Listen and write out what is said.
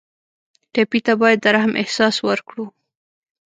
ټپي ته باید د رحم احساس ورکړو.